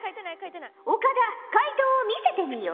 岡田解答を見せてみよ。